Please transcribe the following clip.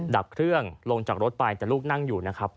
ดับเครื่องลงจากรถไปแต่ลูกนั่งอยู่นะครับ